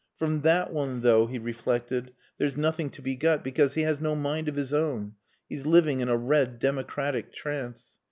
"From that one, though," he reflected, "there's nothing to be got, because he has no mind of his own. He's living in a red democratic trance.